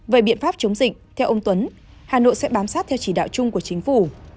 về biện pháp chống dịch theo ông tuấn hà nội sẽ bám sát theo chỉ đạo chung của chính phủ